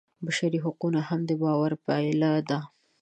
بشري حقونه هم د باور پایله ده.